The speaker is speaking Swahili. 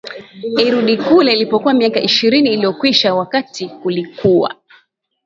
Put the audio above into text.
irudi kule ilipokuwa miaka ishirini iliokwisha wakati tulikuwa